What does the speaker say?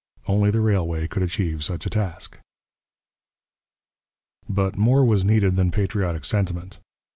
Only the railway could achieve such a task. But more was needed than patriotic sentiment.